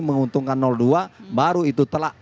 menguntungkan dua baru itu telak